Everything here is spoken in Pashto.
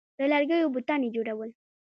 د لرګیو بتان یې جوړول